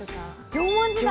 縄文時代！